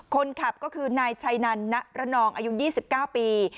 คนขับก็คือนายชัยนันณระนองอายุ๒๙ปี